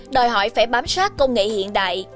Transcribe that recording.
đòi hỏi phải bám sát công nghệ hiện đại